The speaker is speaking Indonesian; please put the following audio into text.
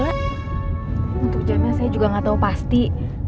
untuk jamnya saya juga gak tau pasti